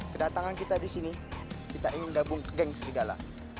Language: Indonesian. kedatangan kita disini kita ingin dabung ke geng setidaknya